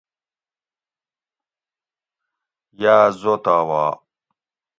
یا زوتا وا